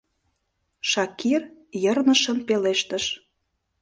— Шакир йырнышын пелештыш.